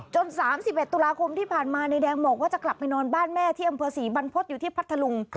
๓๑ตุลาคมที่ผ่านมานายแดงบอกว่าจะกลับไปนอนบ้านแม่ที่อำเภอศรีบรรพฤษอยู่ที่พัทธลุง